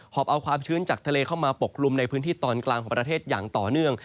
อบเอาความชื้นจากทะเลเข้ามาปกกลุ่มในพื้นที่ตอนกลางของประเทศอย่างต่อเนื่อง